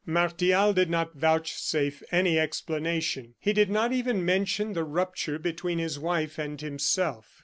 Martial did not vouchsafe any explanation; he did not even mention the rupture between his wife and himself.